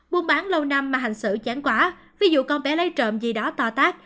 buôn bán lâu năm mà hành xử chán quá ví dụ con bé lấy trộm gì đó to tát